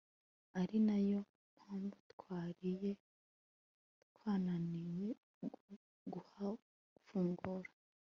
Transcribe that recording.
ari nayo mpamvu twari twananiwe kuhafungura